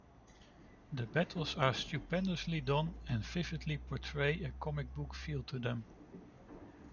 The battles are stupendously done and vividly portray a comic book feel to them.